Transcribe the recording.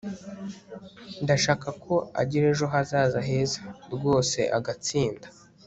ndashaka ko agira ejo hazaza heza, rwose agatsinda